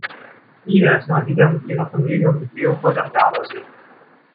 Ida ist mal wieder mit ihrer Familie und mit Leopold am Gardasee.